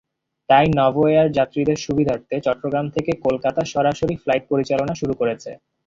তাই নভোএয়ার যাত্রীদের সুবিধার্থে চট্টগ্রাম থেকে কলকাতা সরাসরি ফ্লাইট পরিচালনা শুরু করেছে।